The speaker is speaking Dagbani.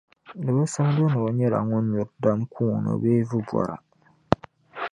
di bi simdi ni o nyɛla ŋun nyuri dam kuuna bee vubɔra.